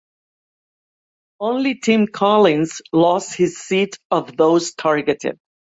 Only Tim Collins lost his seat of those targeted.